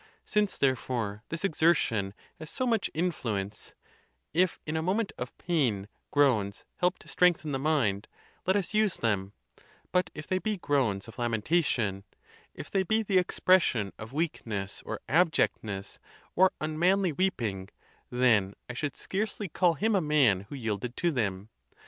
Since, therefore, this exertion has so much influence —if in a moment of pain groans help to strengthen the mind, let us use them; but if they be groans of lamentation, if they be the expression of weak ness or abjectness, or unmanly weeping, then I should scarcely call him a man who yielded to them.